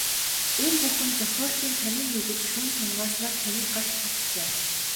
Энэ бүхэн зохиолчийн танин мэдэж, шүүн тунгааснаар таны гарт хүрч байна.